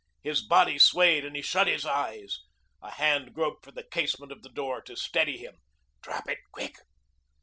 His body swayed and he shut his eyes. A hand groped for the casement of the door to steady him. "Drop it quick."